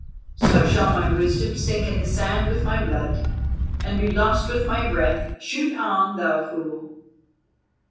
"So shall my wisdom sink in the sand with my blood, and be lost with my breath. Shoot on, thou fool."